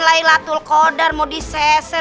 layla tul qodar mau diseser